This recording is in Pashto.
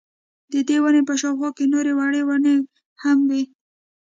ددې وني په شاوخوا کي نوري وړې وړې وني هم وې